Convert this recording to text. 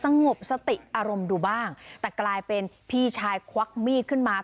สงบสติอารมณ์ดูบ้างแต่กลายเป็นพี่ชายควักมีดขึ้นมา